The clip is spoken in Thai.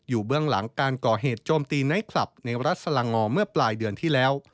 เบื้องหลังการก่อเหตุโจมตีไนท์คลับในรัฐสลังงอเมื่อปลายเดือนที่แล้ว